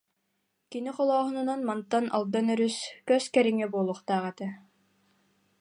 Кини холооһунунан мантан Алдан өрүс көс кэриҥэ буолуохтаах этэ